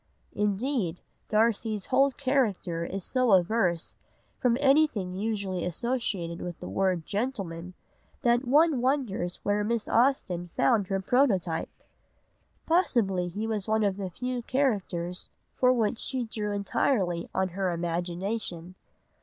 '" Indeed, Darcy's whole character is so averse from anything usually associated with the word gentleman, that one wonders where Miss Austen found her prototype. Possibly he was one of the few characters for which she drew entirely on her imagination.